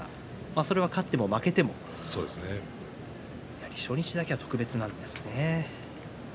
それは勝っても負けても初日だけは別なんですね。